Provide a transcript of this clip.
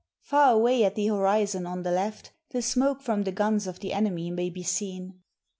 Far away at the horizon on the left the smoke from the guns of the enemy may be seen.